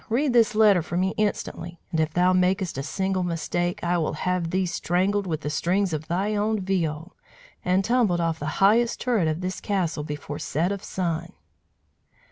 read this letter for me instantly! and if thou makest a single mistake, I will have thee strangled with the strings of thine own viol, and tumbled off the highest turret of this castle before set of sun!"